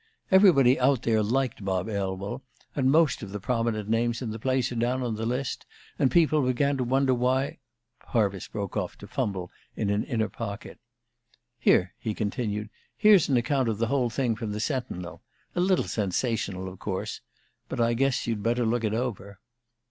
Everybody out there liked Bob Elwell, and most of the prominent names in the place are down on the list, and people began to wonder why " Parvis broke off to fumble in an inner pocket. "Here," he continued, "here's an account of the whole thing from the 'Sentinel' a little sensational, of course. But I guess you'd better look it over."